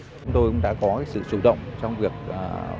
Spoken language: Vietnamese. chúng tôi cũng đã có sự chủ động trong việc phối hợp